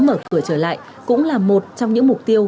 mở cửa trở lại cũng là một trong những mục tiêu